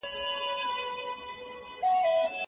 پر غصه باندي وخت تيرېدل غصه ولي نه سړوي؟